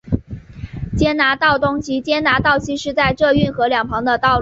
坚拿道东及坚拿道西是在这运河两旁的道路。